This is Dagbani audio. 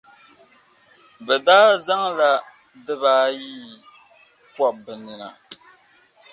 Bɛ daa zaŋla diba ayiyi pɔb’ bɛ nina.